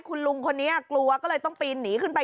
คุณลุงคนนี้กลัวก็เลยต้องปีนหนีขึ้นไป